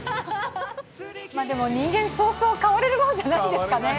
でも、人間、そうそう変われるものじゃないんですかね。